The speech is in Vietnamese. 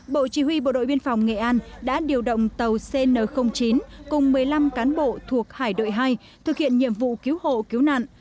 bộ chỉ huy bộ đội biên phòng nghệ an đã điều động tàu cn chín cùng một mươi năm cán bộ thuộc hải đội hai thực hiện nhiệm vụ cứu hộ cứu nạn